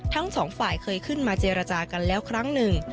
ทั้งสองฝ่ายเคยขึ้นมาเจรจากันแล้วครั้งหนึ่ง